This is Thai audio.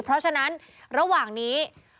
เพราะฉะนั้นระหว่างนี้